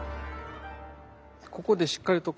ここでしっかりと。